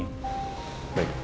baik saya tinggal dulu